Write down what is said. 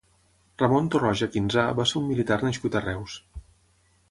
Ramon Torroja Quinzà va ser un militar nascut a Reus.